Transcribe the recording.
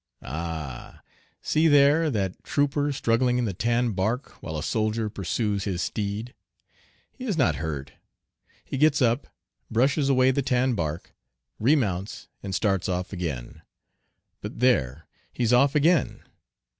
Ah! See there that trooper struggling in the tan bark while a soldier pursues his steed. He is not hurt. He gets up, brushes away the tan bark, remounts and starts off again. But there, he's off again!